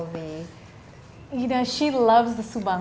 dia suka subang